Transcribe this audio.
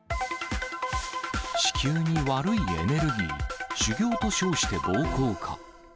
子宮に悪いエネルギー、修行と称して暴行か。